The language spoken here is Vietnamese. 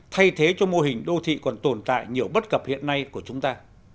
thay thế cho mô hình đô thị còn tồn tại nhiều bất cập hiện nay của chúng ta